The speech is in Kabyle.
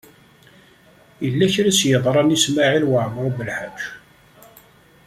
Yella kra i s-yeḍṛan i Smawil Waɛmaṛ U Belḥaǧ.